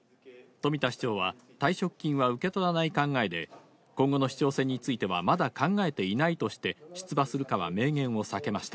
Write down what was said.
冨田市長は退職金は受け取らない考えで、今後の市長選についてはまだ考えていないとして、出馬するかは明言を避けました。